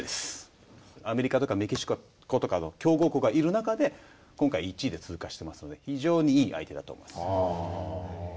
アメリカとかメキシコとかの強豪国がいる中で今回１位で通過していますので非常にいい相手だと思います。